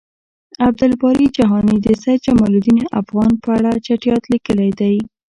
عبد الباری جهانی د سید جمالدین افغان په اړه چټیات لیکلی دی